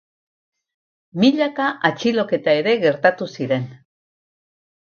Milaka atxiloketa ere gertatu ziren.